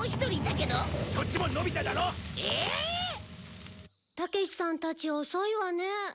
たけしさんたち遅いわね。